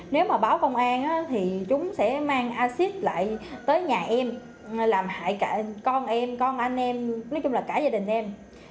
nếu mà báo công an thì chúng sẽ mang acid lại tới nhà em làm hại cả con em con anh em nói chung là cả gia đình em